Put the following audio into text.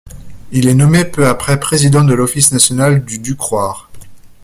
Il est nommé peu après président de l’Office National du Ducroire.